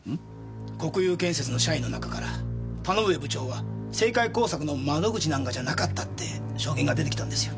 国裕建設の社員の中から田ノ上部長は政界工作の窓口なんかじゃなかったって証言が出てきたんですよ。